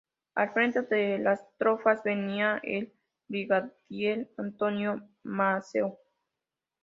Al frente de las tropas venía el Brigadier Antonio Maceo.